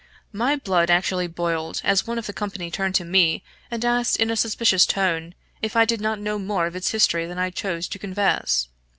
My blood actually boiled, as one of the company turned to me and asked in a suspicious tone, if I did not know more of its history than I chose to confess?